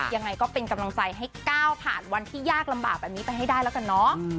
ยังไงก็เป็นกำลังใจให้ก้าวผ่านวันที่ยากลำบากแบบนี้ไปให้ได้แล้วกันเนาะ